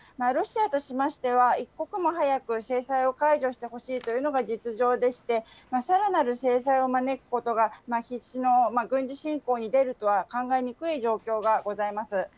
ロシアとしましては、一刻も早く制裁を解除してほしいというのが実情でして、さらなる制裁を招くことが必至の軍事侵攻に出るとは考えにくい状況がございます。